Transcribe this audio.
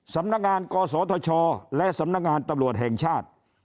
สำนักงานกศธชและสำนักงานตำรวจแห่งชาติ